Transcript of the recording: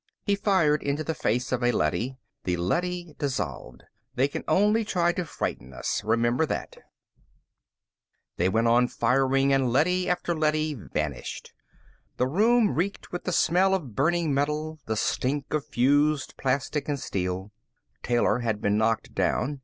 He fired into the face of a leady. The leady dissolved. "They can only try to frighten us. Remember that." They went on firing and leady after leady vanished. The room reeked with the smell of burning metal, the stink of fused plastic and steel. Taylor had been knocked down.